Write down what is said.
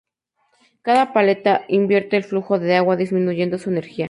Cada paleta invierte el flujo de agua, disminuyendo su energía.